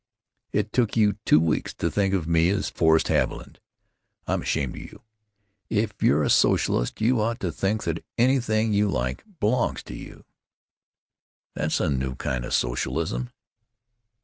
It took you two weeks to think of me as Forrest Haviland. I'm ashamed of you! If you're a socialist you ought to think that anything you like belongs to you." "That's a new kind of socialism."